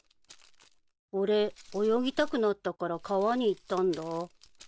俺泳ぎたくなったから川に行ったんだ。